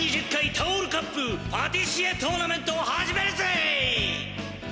タオールカップパティシエトーナメントを始めるぜ！